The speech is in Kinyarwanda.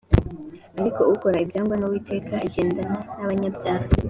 Ariko akora ibyangwa n’Uwiteka agendana n’abanyabyaha